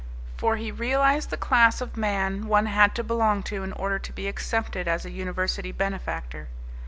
For he realized the class of man one had to belong to in order to be accepted as a university benefactor.